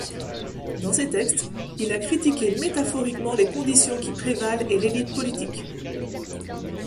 Dans ses textes, il a critiqué métaphoriquement les conditions qui prévalent et l'élite politique.